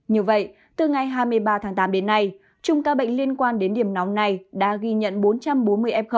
như vậy từ ngày hai mươi ba tháng tám đến nay trung ca bệnh liên quan đến điểm nóng này đã ghi nhận bốn trăm bốn mươi em